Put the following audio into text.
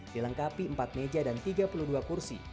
dilengkapi empat meja dan tiga puluh dua kursi